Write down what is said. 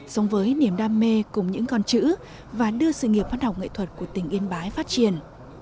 sống với niềm đam mê cùng những con chữ và đưa sự nghiệp văn học nghệ thuật của tỉnh yên bái phát triển